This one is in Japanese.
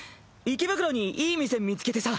池袋にいい店見つけてさ。